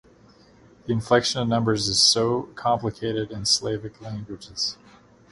The inflection of numbers is so complicated in Slavic languages.